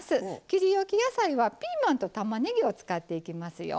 切りおき野菜はピーマンとたまねぎを使っていきますよ。